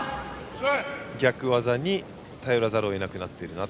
逆技に頼らざるを得なくなっていると。